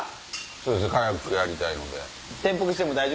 そうですねやりたいので。